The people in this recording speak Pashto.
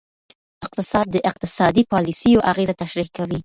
اقتصاد د اقتصادي پالیسیو اغیزه تشریح کوي.